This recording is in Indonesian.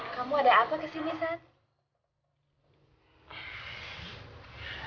kamu ada apa kesini saat